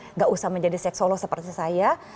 enggak usah menjadi seks solo seperti saya